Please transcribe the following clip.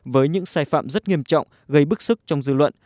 với những sai phạm rất nghiêm trọng gây bức xúc trong dư luận